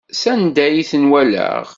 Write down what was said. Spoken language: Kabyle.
S anda i ten-walaɣ.